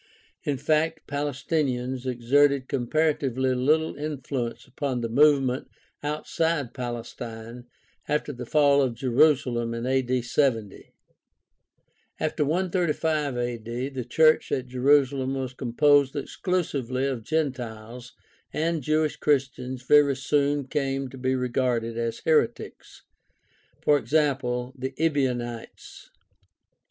In fact, Palestinians exerted comparatively little influence upon the movement outside Palestine after the fall of Jerusalem in 70 a.d. After 135 A.D. even the church at Jerusalem was composed exclu sively of Gentiles, and Jewish Christians very soon came to be regarded as heretics (e.g., the Ebionites).